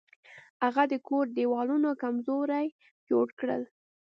هغه د کور دیوالونه کمزوري جوړ کړل.